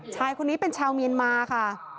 ชายคนนี้เป็นชาวเมียนมาค่ะ